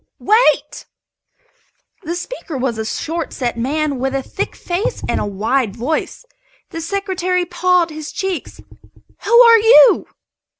"Wait!" The speaker was a short set man with a thick face and a wide voice. The Secretary paled his cheeks. "Who are you?"